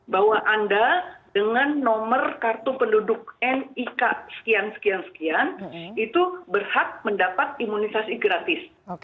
bahwa anda dengan nomor kartu penduduk nik sekian sekian sekian itu berhak mendapat imunisasi gratis